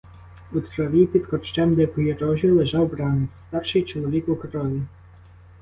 У траві під корчем дикої рожі лежав бранець, старший чоловік у крові.